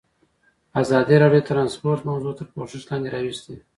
ازادي راډیو د ترانسپورټ موضوع تر پوښښ لاندې راوستې.